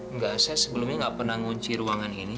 enggak saya sebelumnya nggak pernah ngunci ruangan ini